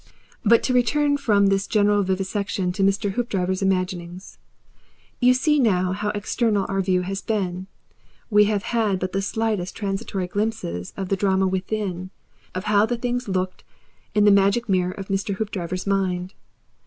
But to return from this general vivisection to Mr. Hoopdriver's imaginings. You see now how external our view has been; we have had but the slightest transitory glimpses of the drama within, of how the things looked in the magic mirror of Mr. Hoopdriver's mind.